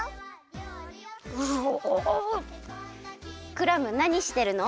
クラムなにしてるの？